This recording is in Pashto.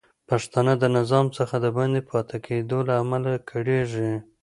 پښتانه د نظام څخه د باندې پاتې کیدو له امله کړیږي